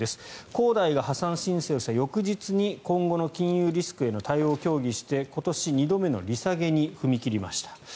恒大が破産申請をした翌日に今後の金融リスクへの対応を協議して今年２度目の利下げに踏み切りました。